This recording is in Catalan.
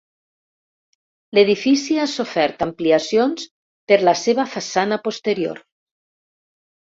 L'edifici ha sofert ampliacions per la seva façana posterior.